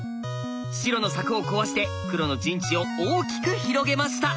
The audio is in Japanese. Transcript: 白の柵を壊して黒の陣地を大きく広げました。